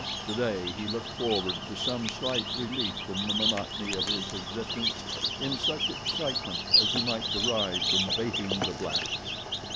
Today he looked forward to some slight relief from the monotony of his existence in such excitement as he might derive from baiting the blacks.